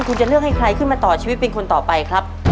คุณจะเลือกให้ใครขึ้นมาต่อชีวิตเป็นคนต่อไปครับ